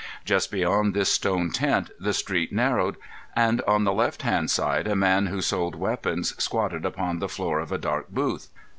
Just beyond this stone tent the street narrowed, and on the left hand side a man who sold weapons squatted upon the floor of a dark booth.